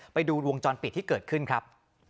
ไปดูวงจรปิดที่เกิดขึ้นครับ